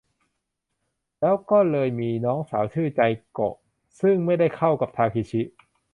แล้วก็เลยมีน้องสาวชื่อไจโกะ ซึ่งไม่ได้เข้ากับทาเคชิ